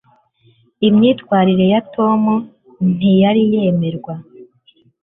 imyitwarire ya tom ntiyari yemerwa